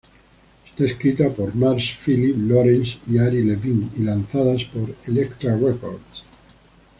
Está escrita por Mars, Philip Lawrence y Ari Levine, y lanzada por Elektra Records.